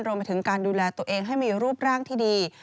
รวมไปถึงการดูแลตัวเองให้มีรูปร่างที่ดี